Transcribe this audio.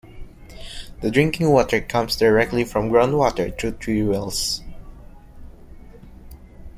The drinking water comes directly from groundwater through three wells.